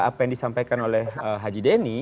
apa yang disampaikan oleh haji denny